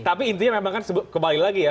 tapi intinya memang kan kembali lagi ya